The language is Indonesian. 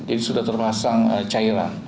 jadi sudah terpasang cairan